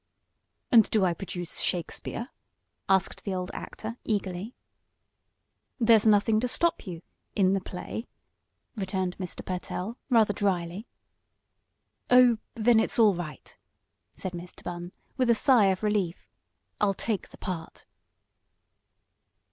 "And do I produce Shakespeare?" asked the old actor, eagerly. "There's nothing to stop you in the play," returned Mr. Pertell, rather drily. "Oh, then it's all right," said Mr. Bunn, with a sigh of relief. "I'll take the part."